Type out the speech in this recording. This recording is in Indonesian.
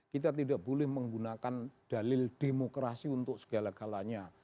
kita tidak boleh menggunakan dalil demokrasi untuk segala galanya